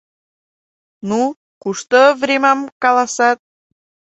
Ну, кушто времам каласат.